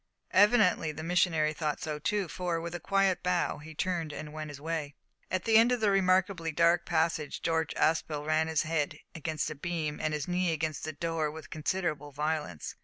Evidently the missionary thought so too, for, with a quiet bow, he turned and went his way. At the end of a remarkably dark passage George Aspel ran his head against a beam and his knee against a door with considerable violence.